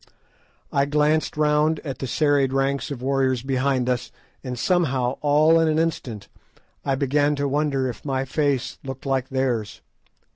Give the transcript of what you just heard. I glanced round at the serried ranks of warriors behind us, and somehow, all in an instant, I began to wonder if my face looked like theirs.